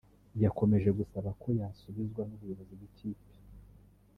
yakomeje gusaba ko yayasubizwa n’ubuyobozi bw’ikipe